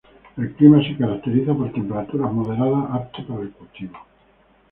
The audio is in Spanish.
El clima se caracteriza por temperaturas moderadas, apto para el cultivo.